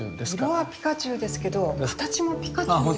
色はピカチュウですけど形もピカチュウですよ！